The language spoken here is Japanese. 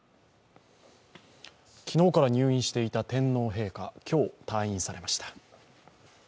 昨日から入院していた天皇陛下、今日、退院されました。